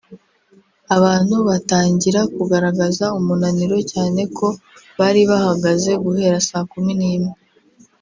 abantu batangira kugaragaza umunaniro cyane ko bari bahagaze guhera saa kumi n’imwe